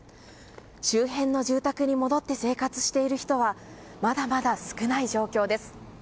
周辺の住宅に戻って生活している人はまだまだ少ない状況です。